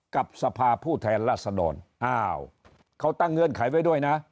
กับสภาผู้แทนราษดรอ้าวเขาตั้งเงื่อนไขไว้ด้วยนะ